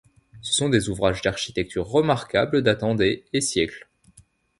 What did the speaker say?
Ce sont des ouvrages d'architecture remarquable datant des et siècles.